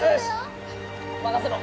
・任せろ。